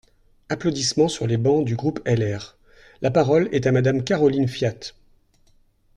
(Applaudissements sur les bancs du groupe LR.) La parole est à Madame Caroline Fiat.